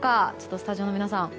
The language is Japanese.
スタジオの皆さん